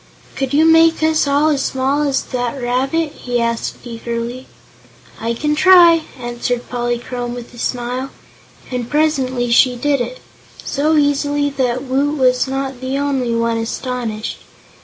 "Could you make us all as small as that rabbit?" he asked eagerly. "I can try," answered Polychrome, with a smile. And presently she did it so easily that Woot was not the only one astonished.